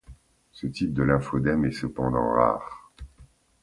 Ce type de lymphœdème est cependant rare.